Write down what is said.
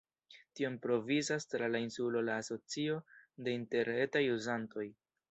Tion provizas tra la insulo la Asocio de Interretaj Uzantoj.